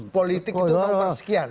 politik itu nomor sekian